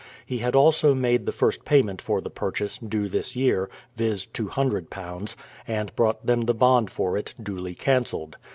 He had also made the first payment for the purchase, due this year, viz., £200, and brought them the bond for it, duly cancelled.